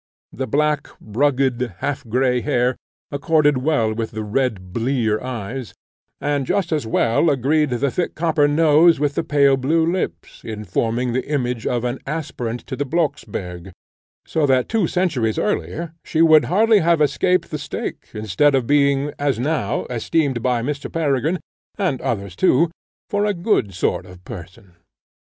The black, rugged, half grey hair accorded well with the red blear eyes, and just as well agreed the thick copper nose with the pale blue lips, in forming the image of an aspirant to the Blocksberg; so that two centuries earlier, she would hardly have escaped the stake, instead of being, as now, esteemed by Mr. Peregrine, and others too, for a good sort of person.